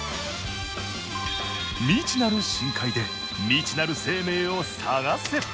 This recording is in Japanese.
未知なる深海で未知なる生命を探せ。